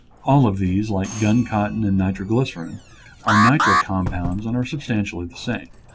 All of these, like gun cotton and nitroglycerin, are nitro com pounds and are substantially the same.